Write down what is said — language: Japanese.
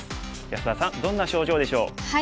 安田さんどんな症状でしょう？